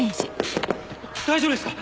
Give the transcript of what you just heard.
大丈夫ですか？